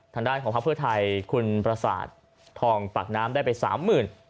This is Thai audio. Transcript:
ทางด้านของพักเพื่อไทยคุณประสาททองปากน้ำได้ไปสามหมื่น